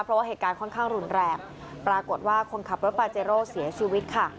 เพราะว่าเหตุการณ์ค่อนข้างรุนแรงปรากฏว่าคนขับรถปาเจโร่เสียชีวิตค่ะ